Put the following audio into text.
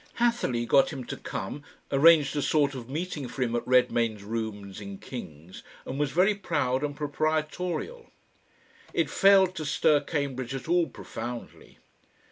Hatherleigh got him to come, arranged a sort of meeting for him at Redmayne's rooms in King's, and was very proud and proprietorial. It failed to stir Cambridge at all profoundly.